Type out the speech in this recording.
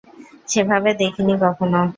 সেভাবে দেখিনি কখনও।